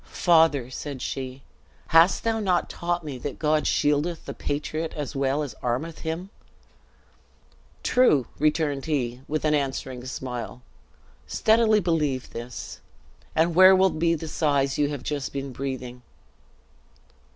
"Father," said she, "hast thou not taught me that God shieldeth the patriot as well as armeth him!" "True!" returned he, with an answering smile; "steadily believe this, and where will be the sighs you have just been breathing!"